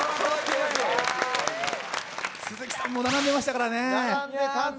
鈴木さんも並んでましたからね。